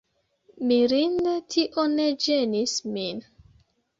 Mirinde tio ne ĝenis min.